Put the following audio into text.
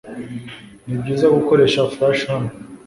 Nibyiza gukoresha flash hano?